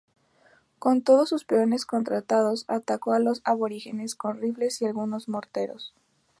Con todos sus peones contratados atacó a los aborígenes con rifles y algunos morteros.